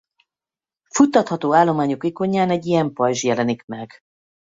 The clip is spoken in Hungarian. Futtatható állományok ikonján egy ilyen pajzs jelenik meg.